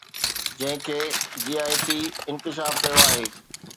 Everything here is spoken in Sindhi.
جنهن کي جي آءِ ٽي انڪشاف ڪيو آهي